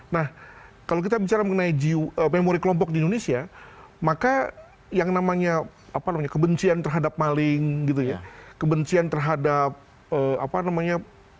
nah kalau kita bicara mengenai memori kelompok di indonesia maka yang namanya kebencian terhadap maling gitu ya kebencian terhadap apa namanya